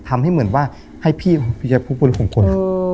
ทำให้เหมือนว่าให้พี่แจ๊กผู้ปฎิของคน